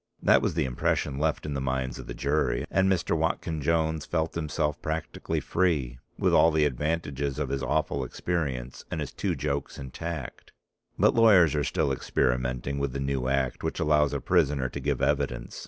That was the impression left in the minds of the jury. And Mr. Watkyn Jones felt himself practically free, with all the advantages of his awful experience, and his two jokes intact. But lawyers are still experimenting with the new act which allows a prisoner to give evidence.